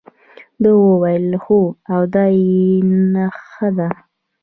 ده وویل هو او دا یې نخښه ده.